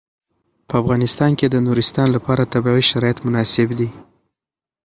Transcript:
په افغانستان کې د نورستان لپاره طبیعي شرایط مناسب دي.